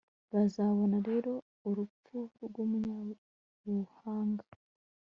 bazabona rero urupfu rw'umunyabuhanga